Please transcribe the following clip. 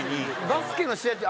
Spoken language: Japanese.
バスケの試合中